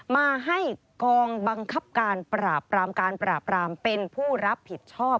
มาให้กองบังคับการปราบปรามการปราบรามเป็นผู้รับผิดชอบ